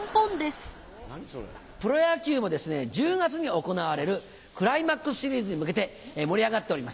プロ野球も１０月に行われるクライマックスシリーズに向けて盛り上がっております。